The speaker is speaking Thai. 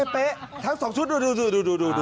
เป๊ะทั้งสองชุด